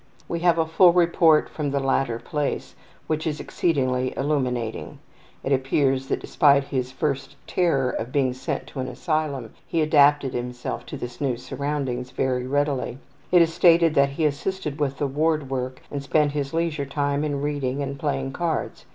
We have a full report from the latter place which is exceedingly illuminating. It appears that despite his first terror of being sent to an asylum he adapted himself to his new surroundings very readily. It is stated that he assisted with the ward work and spent his leisure time in reading and playing cards.